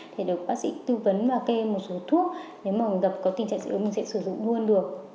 thì được bác sĩ tư vấn và kê một số thuốc nếu mà gặp có tình trạng dị ứng mình sẽ sử dụng luôn được